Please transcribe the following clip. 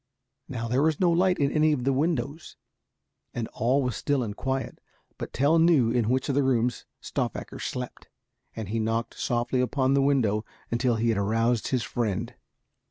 Now there was no light in any of the windows, and all was still and quiet. But Tell knew in which of the rooms Stauffacher slept, and he knocked softly upon the window until he had aroused his friend.